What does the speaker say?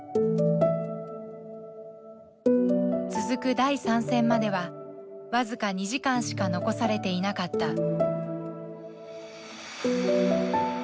続く第３戦までは僅か２時間しか残されていなかった。